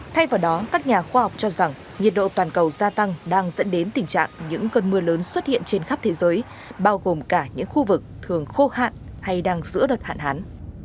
thay vào đó các nhà khoa học cho rằng nhiệt độ toàn cầu gia tăng đang dẫn đến tình trạng những cơn mưa lớn xuất hiện trên khắp thế giới bao gồm cả những khu vực thường khô hạn hay đang giữa đợt hạn hán